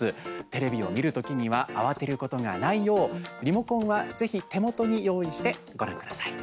テレビを見るときには慌てることがないようリモコンは、ぜひ手元に用意してご覧ください。